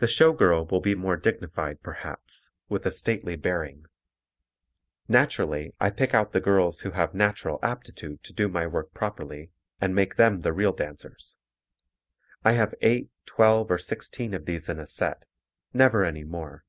The show girl will be more dignified perhaps, with a stately bearing. Naturally I pick out the girls who have natural aptitude to do my work properly and make them the real dancers. I have eight, twelve or sixteen of these in a set, never any more.